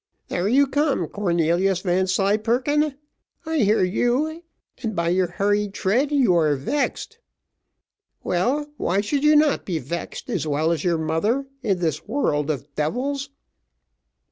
"There you come, Cornelius Vanslyperken; I hear you, and by your hurried tread you are vexed. Well, why should you not be vexed as well as your mother, in this world of devils?"